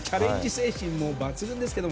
精神抜群ですけれども。